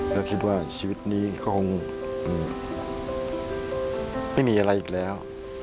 ก็คิดว่าชีวิตนี้ก็คงไม่มีอะไรอีกแล้ว